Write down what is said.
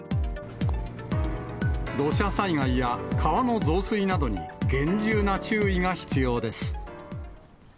土砂災害や川の増水などに厳重な注意が必要です。